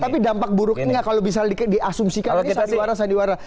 tapi dampak buruknya kalau bisa diasumsikan ini sandiwara sandiwara